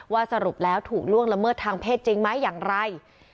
สรุปแล้วถูกล่วงละเมิดทางเพศจริงไหมอย่างไร